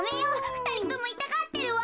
ふたりともいたがってるわ！